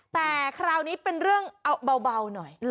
แต่คราวนี้เป็นเรื่องเอาเบาหน่อย